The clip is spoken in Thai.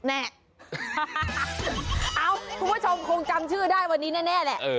คุณผู้ชมคงจำชื่อได้วันนี้แน่แหละ